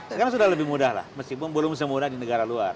sekarang sudah lebih mudah lah meskipun belum semudah di negara luar